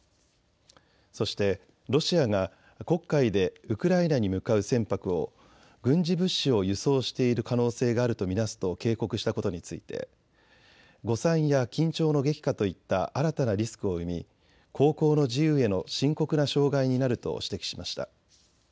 そしてロシアが黒海でウクライナに向かう船舶を軍事物資を輸送している可能性があると見なすと警告したことについて、誤算や緊張の激化といった新たなリスクを生み航行の自由への深刻な障害になると指摘しました。